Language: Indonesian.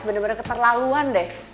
bener bener keterlaluan deh